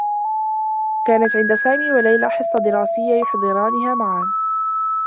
كانت عند سامي و ليلى حصّة دراسيّة يحضرانها معا.